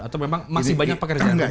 atau memang masih banyak pekerjaan